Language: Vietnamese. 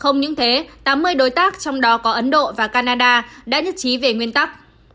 không những thế tám mươi đối tác trong đó có ấn độ và canada đã nhất trí về nguyên tắc